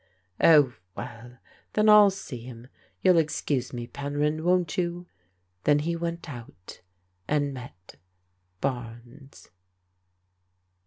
" Oh, well, then I'll see him. You'll excuse me, Pen ryn, won't you?" Then he went out, and met Barnes.